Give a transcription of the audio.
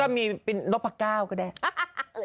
แล้วก็มีเป็นนกปะก้าวก็ได้